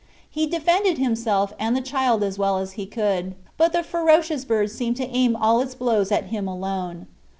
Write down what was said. He defended himself and the child as well as he could, but the ferocious bird seemed to aim all its blows at him alone.